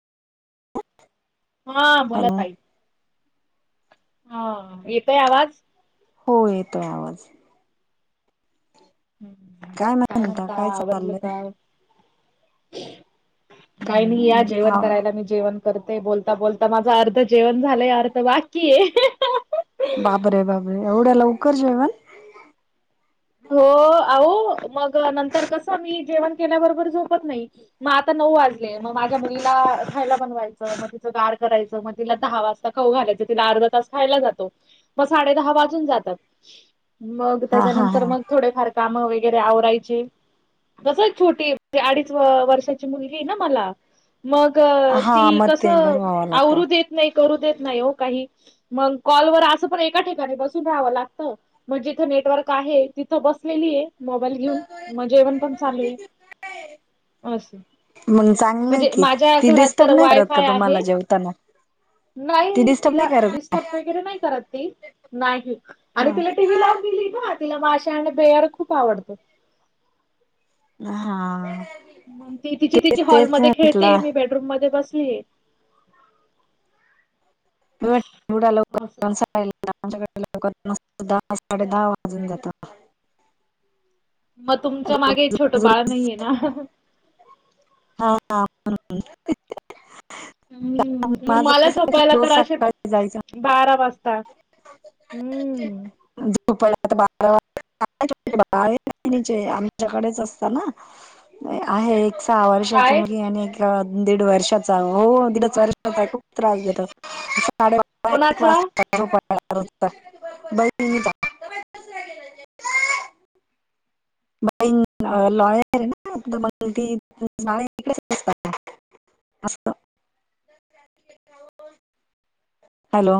हा बौला हॅलो ताई हा येतोय आवाज हो येतोय आवाज ह् काय म्हणता आवरला का काही नाही या जेवण करायला मी जेवण करते बोलता बोलता माझा अर्ध जेवण झालंय अर्ध बाकी आहे बापरे बापरे ऐवढ्या लवकर जेवण हो आहो मग नंतर कस मी जेवण केल्याबरोबर झोपत नाही मग आता नऊ वाजले मग माझ्या मुलीला खायला बनवायचं मग तिचं गार करायचं मग तिला दहा वाजता खाऊ घालायचं तिला अर्धा तास खायला जातो मग साडे दहा वाजून जातात मग हा हा त्याच्यानंतर मग थोडेफार कामं वगैरे आवरायचे कस एक छोटी अडीच वर्षाची मुलगी आहे ना मला मग हा हा ती मग कस ते भरवावा लागतो आवरु देत नाही करू देत नाही हो काही मग कॉलवर असं पण एका ठिकाणी बसून राहावं लागत मग जिथं नेटवर्क आहे तिथं बसलेली आहे मोबाईल घेऊन मग जेवण पण चालू आहे अस मग चांगलंय म्हणजे की माझ्या ती घरात तर डिस्टर्ब नाही करत का वायफाय तुम्हाला आहे जेवताना ती नाही डिस्टर्ब तिला नाही करत डिस्टर्ब वगैरे नाही करत ती नाही हा आणि तिला टी व्ही लावुन दिली ना तिला माशा आणि बेअर खूप आवडतं हा मग ती तिची तेच तिची तेच हॉलमध्ये खेळते म्हटलं मी बेट रूम मध्ये बसली ऐवढ्या लवकर लवून दहा साडे दहा वाजून जातात मग तुमच्या मागे रोज एक छोटं रोज बाळ रोज नाहीये ना हा हा हम्म मग माझं मला कसं झोपायला की रोज तर असे सकाळी जायचं बारा वाजतात हम्म [unintelligible] आमच्याकडेच असत ना आहे एक सहा वर्षाची काय मु दीड वर्षाचा हो दीडच वर्षाचा खूप त्रास झाेतो. साडे वा. कोणाचा बाई लॉयर आहे ना मग ती बा इिकडेच असतात. हॅलो